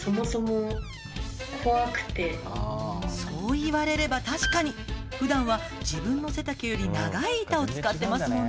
そう言われれば確かに普段は自分の背丈より長い板を使ってます